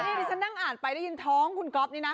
ในนี้พี่จะนั่งอ่านไปได้ยินท้องของก๊อฟนี่นะ